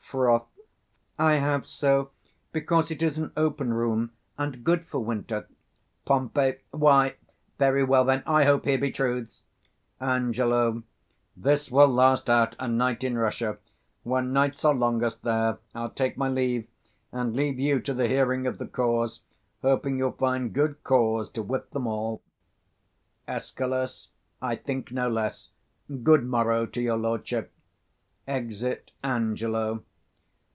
Froth. I have so; because it is an open room, and 125 good for winter. Pom. Why, very well, then; I hope here be truths. Ang. This will last out a night in Russia, When nights are longest there: I'll take my leave, And leave you to the hearing of the cause; 130 Hoping you'll find good cause to whip them all. Escal. I think no less. Good morrow to your lordship. [_Exit Angelo.